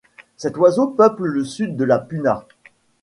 Cet oiseau peuple le sud de la puna.